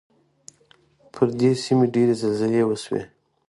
پر دې سیمې ډېرې زلزلې وشوې.